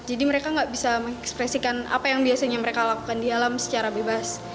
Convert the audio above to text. jadi mereka nggak bisa mengekspresikan apa yang biasanya mereka lakukan di alam secara bebas